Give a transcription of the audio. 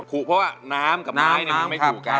ผูกเพราะว่าน้ำกับไม้ไม่ถูกกัน